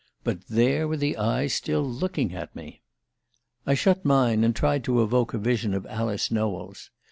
But there were the eyes still looking at me ... "I shut mine, and tried to evoke a vision of Alice Nowell's.